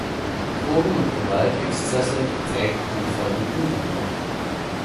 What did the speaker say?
Drogen- und Gewaltexzesse prägten die folgenden Jahre.